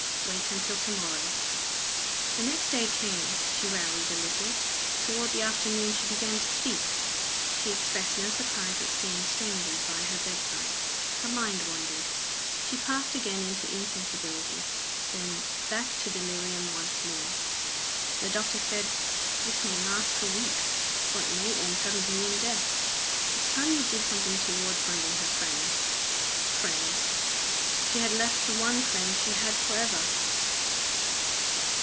"Wait till to morrow." The next day came. She rallied a little. Toward the afternoon she began to speak. She expressed no surprise at seeing strangers by her bedside: her mind wandered. She passed again into insensibility. Then back to delirium once more. The doctor said, "This may last for weeks. Or it may end suddenly in death. It's time you did something toward finding her friends." (Her friends! She had left the one friend she had forever!)